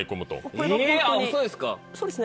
あぁそうですか。